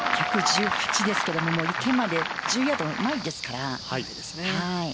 １１８ですが池まで１０ヤードないですから。